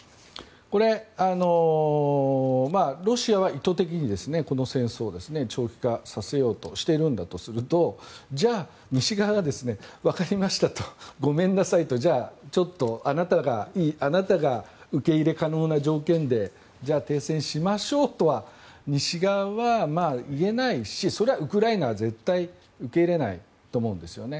これ、ロシアは意図的にこの戦争を長期化させようとしているんだとするとじゃあ西側が、わかりましたとごめんなさいとじゃあ、ちょっとあなたが受け入れ可能な条件で停戦しましょうとは西側は言えないしそれはウクライナは絶対受け入れないと思うんですよね。